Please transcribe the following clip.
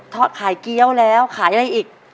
เพราะขายเกี้ยวแล้วขายอะไรอีก